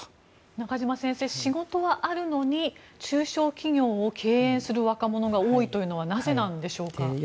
中嶋先生、仕事はあるのに中小企業を敬遠する若者が多いというのはなぜなんでしょうか？